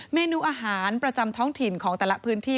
เมนูอาหารประจำท้องถิ่นของแต่ละพื้นที่